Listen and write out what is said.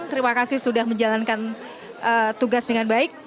terima kasih sudah menjalankan tugas dengan baik